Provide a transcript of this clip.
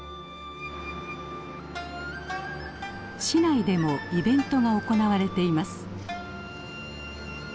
市内でもイベントが行われています。